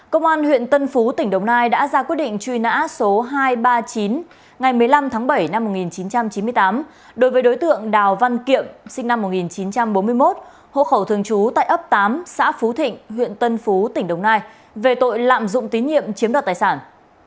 công an huyện tân phú tỉnh đồng nai đã ra quyết định truy nã số hai trăm ba mươi chín ngày một mươi năm tháng bảy năm một nghìn chín trăm chín mươi tám đối với đối tượng đào văn kiệm sinh năm một nghìn chín trăm bốn mươi một hộ khẩu thường trú tại ấp tám xã phú thịnh huyện tân phú tỉnh đồng nai về tội lạm dụng tín nhiệm chiếm đoạt tài sản